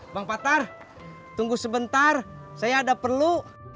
bang patar tunggu sebentar saya ada perlu